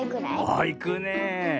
ああいくねえ。